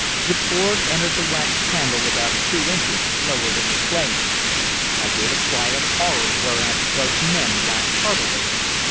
The cord entered the wax candle about two inches lower than the flame. I gave a cry of horror, whereat both men laughed heartily.